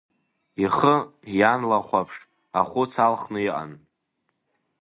Ихы ианлахәаԥш, ахәыц алхны иҟан.